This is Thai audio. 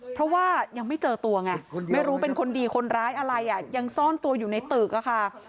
เพราะว่ายังไม่เจอตัวไงไม่รู้เป็นคนดีคนร้ายอะไรอ่ะยังซ่อนตัวอยู่ในตึกอะค่ะ